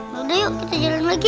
yaudah yuk kita jalan lagi